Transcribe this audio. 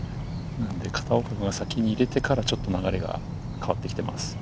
片岡君が先に入れてから、ちょっと流れが変わってきています。